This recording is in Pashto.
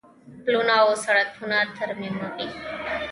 پلونه او سړکونه ترمیموي.